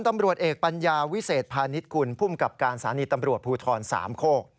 ตัวเอกปัญญาวิเศษพาณิชคุณภูมิกับการศาลีตำรวจภูทร๓โค